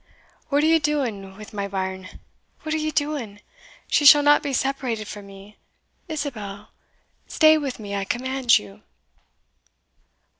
"What are ye doing wi' my bairn? what are ye doing? She shall not be separated from me Isabel, stay with me, I command you!"